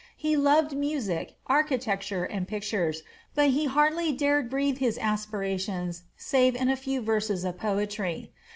He loved music, architecture, and pictures, but he hardly dared breathe his aspirations save in a few verses of poetry.